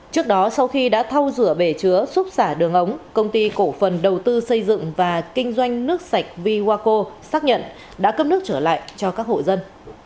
trước đó sau khi đã thau rửa bể chứa xúc xả đường ống công ty cổ phần đầu tư xây dựng và kinh doanh nước sạch vwaco xác nhận đã cấp nước trở lại cho các hộ dân